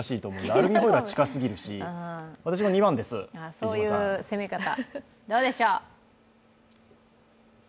アルミホイルは近すぎるし、そういう攻め方、どうでしょう？